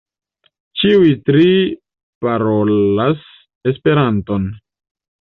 Ĉiuj tri parolas Esperanton.